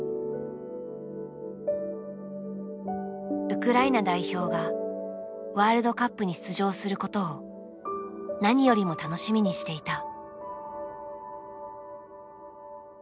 ウクライナ代表がワールドカップに出場することを何よりも楽しみにしていた。